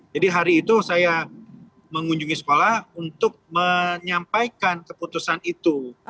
jadi hari itu saya mengunjungi sekolah untuk menyampaikan keputusan itu